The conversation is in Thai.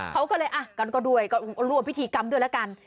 เขาก็เลยกันกันด้วยก็รวมพิธีกรรมด้วยละกัน